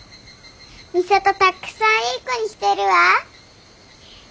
美里たっくさんいい子にしてるわ。